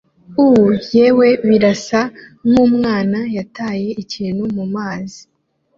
Uh yewe Birasa nkumwana yataye ikintu mumazi